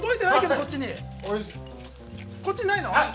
こっちにないの。